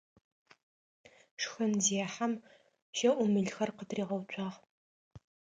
Шхынзехьэм щэӏумылхэр къытыригъэуцуагъ.